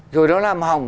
rồi nó làm hỏng